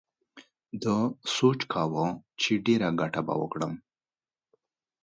ده سوچ کاوه چې ډېره گټه به وکړم.